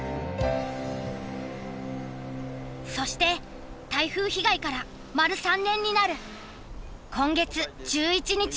そして台風被害から丸３年になる今月１１日。